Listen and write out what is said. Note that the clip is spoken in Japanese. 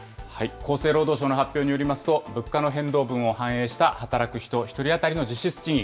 厚生労働省の発表によりますと、物価の変動分を反映した働く人１人当たりの実質賃金。